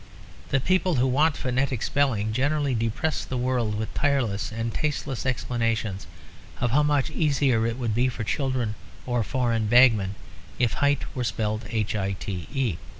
The people who want phonetic spelling generally depress the world with tireless and tasteless explanations of how much easier it would be for children or foreign bagmen if "height" were spelt "hite."